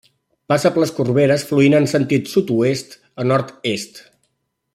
Passa per les Corberes fluint en sentit de sud-oest a nord-est.